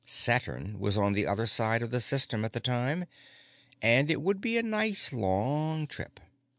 Saturn was on the other side of the System at the time, and it would be a nice, long trip.